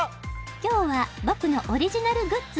「今日は僕のオリジナルグッズを」